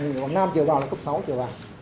từ quảng nam trở vào là cấp sáu trở vào